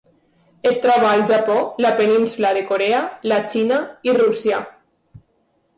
Es troba al Japó, la Península de Corea, la Xina i Rússia.